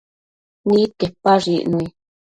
Nidquepash icnui